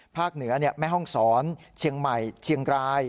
เหนือแม่ห้องศรเชียงใหม่เชียงราย